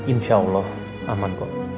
insya allah aman kok